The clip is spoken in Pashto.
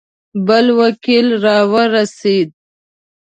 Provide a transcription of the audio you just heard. بل وکیل را ورسېد.